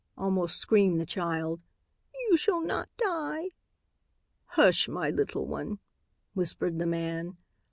almost screamed the child. "You shall not die." "Hush, my little one," whispered the man.